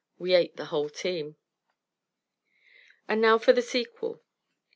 We ate the whole team. And now for the sequel.